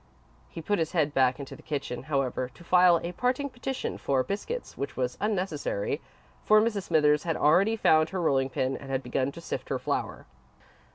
He put his head back into the kitchen, however, to file a parting petition for biscuits, which was unnecessary, for Mrs. Smithers had already found her rolling pin and had begun to sift her flour.